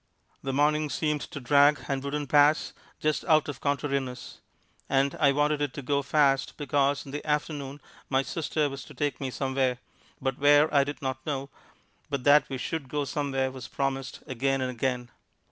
The morning seemed to drag and wouldn't pass, just out of contrariness; and I wanted it to go fast because in the afternoon my sister was to take me somewhere, but where I did not know, but that we should go somewhere was promised again and again.